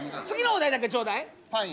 次のお題だけちょうだい。